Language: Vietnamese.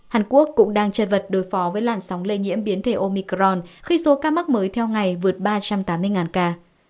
hàn quốc cũng đang chơi vật đối phó với làn sóng lây nhiễm biến thể omicron khi số ca mắc mới theo ngày vượt ba trăm tám mươi ca